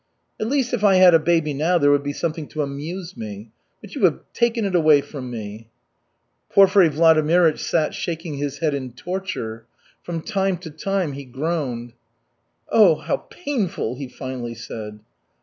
At least, if I had a baby now, there would be something to amuse me. But you have taken it away from me." Porfiry Vladimirych sat shaking his head in torture. From time to time he groaned. "Oh, how painful!" he finally said.